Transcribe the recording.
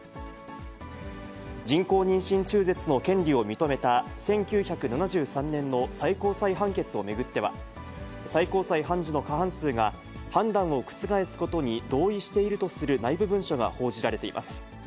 人工妊娠中絶の権利を認めた、１９７３年の最高裁判決を巡っては、最高裁判事の過半数が、判断を覆すことに同意しているとする内部文書が報じられています。